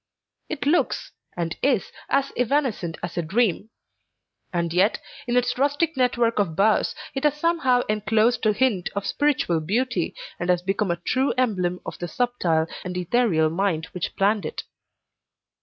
It looks, and is, as evanescent as a dream; and yet, in its rustic network of boughs, it has somehow enclosed a hint of spiritual beauty, and has become a true emblem of the subtile and ethereal mind that planned it.